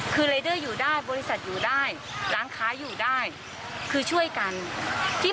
กันคืออยู่ได้บริษัทอยู่ได้ล้างค้าอยู่ได้คือช่วยกันที่